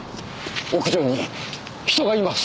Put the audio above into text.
屋上に人がいます。